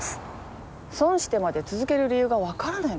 損してまで続ける理由がわからないんだけど。